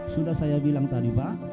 sudah saya bilang tadi pak